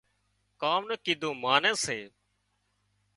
ڪام نون ڪيڌون ماني سي